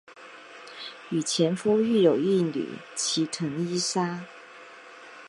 与前夫育有一女齐藤依纱。